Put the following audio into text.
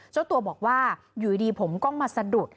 เจ้าตัวบอกว่าอยู่ดีผมก็มาสะดุด